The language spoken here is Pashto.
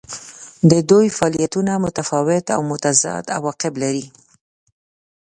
د دوی فعالیتونه متفاوت او متضاد عواقب لري.